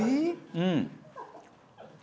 うん。